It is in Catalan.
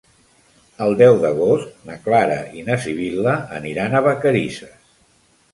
El deu d'agost na Clara i na Sibil·la aniran a Vacarisses.